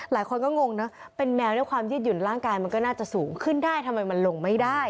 หลายคนก็งงนะเป็นแมวด้วยความยืดหยุ่นร่างกายมันก็น่าจะสูงขึ้นได้ทำไมมันลงไม่ได้